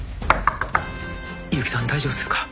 ・悠木さん大丈夫ですか？